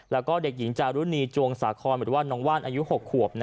แล้วก็เด็กหญิงจารุณีจวงสาคอนหรือว่าน้องว่านอายุ๖ขวบ